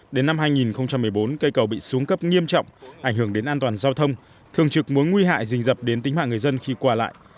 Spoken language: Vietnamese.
đến năm hai nghìn một mươi bốn cây cầu bị xuống cấp nghiêm trọng ảnh hưởng đến an toàn giao thông thường trực mối nguy hại dình dập đến tính mạng người dân khi qua lại